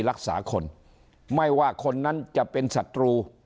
รักษาคนไม่ว่าคนนั้นจะเป็นศัตรู